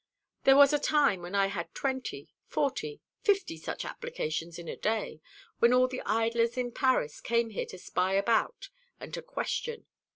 There was a time when I had twenty, forty, fifty such applications in a day, when all the idlers in Paris came here to spy about and to question.